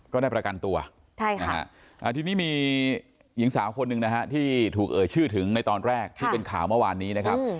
ก็ได้ประกันตัวทีนี้มีหญิงสาวคนหนึ่งนะฮะที่ถูกเอ่ยชื่อถึงในตอนแรกที่เป็นข่าวเมื่อวานนี้นะครับ